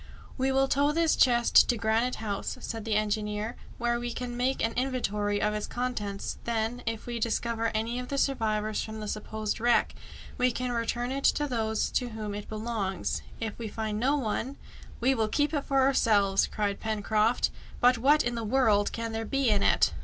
"We will tow this chest to Granite House," said the engineer, "where we can make an inventory of its contents, then, if we discover any of the survivors from the supposed wreck, we can return it to those to whom it belongs. If we find no one " "We will keep it for ourselves!" cried Pencroft "But what in the world can there be in it?"